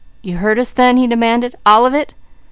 "You heard us, then?" he demanded. "All of it?"